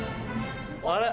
あれ？